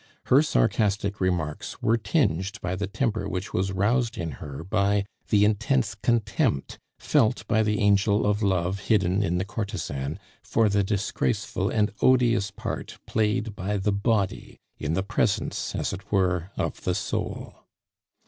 Her sarcastic remarks were tinged by the temper which was roused in her by the intense contempt felt by the Angel of Love, hidden in the courtesan, for the disgraceful and odious part played by the body in the presence, as it were, of the soul.